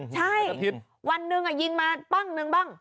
ใช่วันหนึ่งยิงมาป้องนึงบ้าง